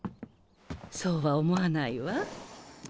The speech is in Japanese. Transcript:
そうは思わないわ。